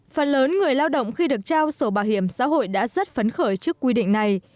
phần lớn người lao động khi được trao sổ bảo hiểm xã hội đã rất phấn khởi trước quy định này